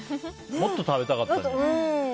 もっと食べたかった。